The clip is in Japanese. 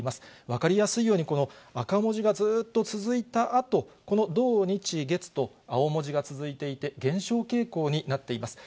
分かりやすいように、この赤文字がずっと続いたあと、この土、日、月と青文字が続いていて、減少傾向になっています。